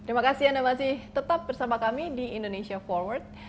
terima kasih anda masih tetap bersama kami di indonesia forward